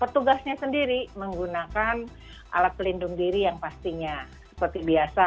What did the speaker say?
tugasnya sendiri menggunakan alat pelindung diri yang pastinya seperti biasa